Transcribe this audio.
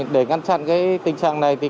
để ngăn chặn tình trạng này công an quận hoàn kiếm